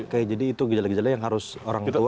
oke jadi itu gijalah gijalah yang harus orang tua